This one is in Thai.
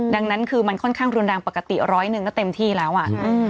ดังนั้นคือมันค่อนข้างรุนแรงปกติร้อยหนึ่งก็เต็มที่แล้วอ่ะ